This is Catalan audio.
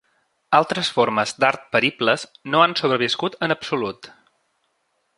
Altres formes d'art peribles no han sobreviscut en absolut.